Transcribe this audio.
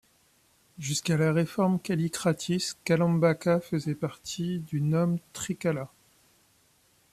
Jusqu'à la réforme Kallikratis, Kalambaka faisait partie du nome de Trikala.